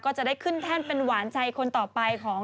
ก็จะได้ขึ้นแท่นเป็นหวานใจคนต่อไปของ